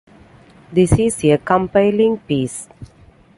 This is a compelling piece.